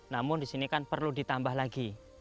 namun di sini kan perlu ditambah lagi